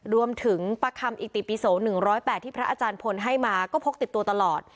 รวมถึงประคำอิติปิโส๑๐๘ที่พระอาจารย์พลให้มาก็พกติดตัวตลอด